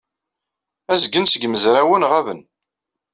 Azgen seg yimezrawen ɣaben.